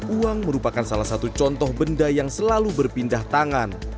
uang merupakan salah satu contoh benda yang selalu berpindah tangan